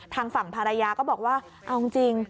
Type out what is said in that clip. ทางฝั่งภรรยาก็บอกว่าเอาจริง